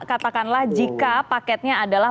katakanlah jika paketnya adalah